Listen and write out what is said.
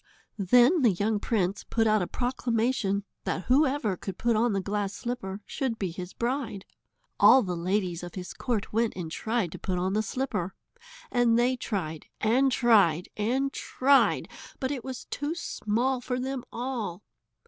Then the young prince put out a proclamation that whoever could put on the glass slipper should be his bride. All the ladies of his court went and tried to put on the slipper. And they tried and tried and tried, but it was too small for them all.